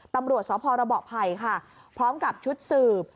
ตำรวจสพระเบาะไผ่ค่ะพร้อมกับชุดสืบ